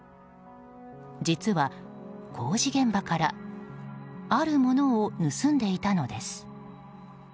実は工事現場からあるものを盗んでいたのです。